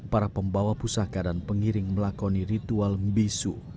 para pembawa pusaka dan pengiring melakoni ritual membisu